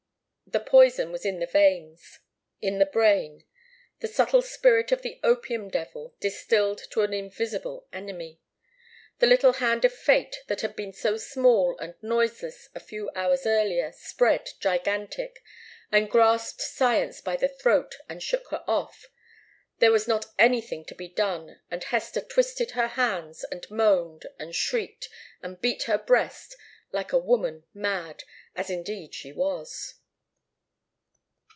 The poison was in the veins, in the brain, the subtle spirit of the opium devil distilled to an invisible enemy. The little hand of Fate, that had been so small and noiseless a few hours earlier, spread, gigantic, and grasped Science by the throat and shook her off. There was not anything to be done. And Hester twisted her hands, and moaned and shrieked, and beat her breast, like a woman mad, as indeed she was.